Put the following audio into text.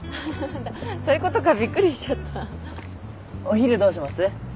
お昼どうします？